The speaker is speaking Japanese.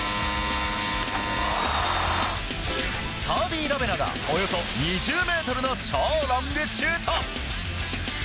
サーディ・ラベナがおよそ２０ｍの超ロングシュート。